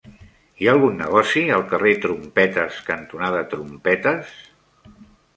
Hi ha algun negoci al carrer Trompetes cantonada Trompetes?